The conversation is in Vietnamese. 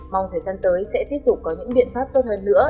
mong thời gian tới sẽ tiếp tục có những biện pháp tốt hơn nữa